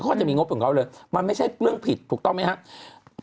เขาจะมีงบของเขาเลยมันไม่ใช่เรื่องผิดถูกต้องไหมครับ